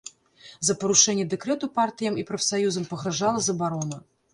За парушэнне дэкрэту партыям і прафсаюзам пагражала забарона.